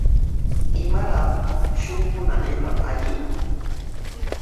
¿Imaraq shunqu nanaypaq alli?